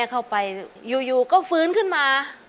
เข้าไปอยู่ก็ฟื้นขึ้นมา